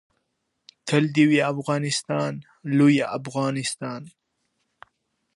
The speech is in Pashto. جملې بايد ډېري سي.